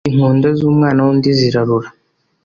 inkonda z'umwana w'undi zirarura